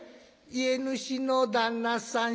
「家主の旦那さん